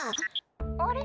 「あれ？